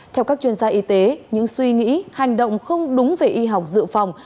theo các chuyên gia y tế những suy nghĩ hành động không đúng về y học dự phòng